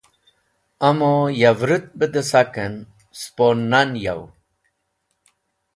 Amo ya vũrũt be dẽ saken ,spo nan yũw.